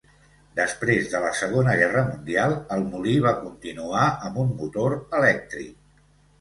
Després de la segona guerra mundial, el molí va continuar amb un motor elèctric.